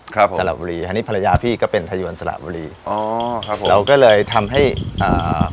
ครับสระบุรีอันนี้ภรรยาพี่ก็เป็นทยวนสละบุรีอ๋อครับผมเราก็เลยทำให้อ่า